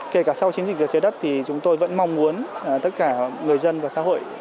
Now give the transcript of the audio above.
kể cả sau chiến dịch rửa trái đất thì chúng tôi vẫn mong muốn tất cả người dân và xã hội